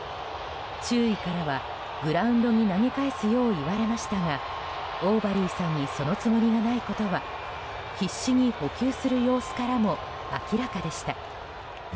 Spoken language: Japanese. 周囲からはグラウンドに投げ返すよう言われましたがオーバリーさんにそのつもりがないことは必死に捕球する様子からも明らかでした。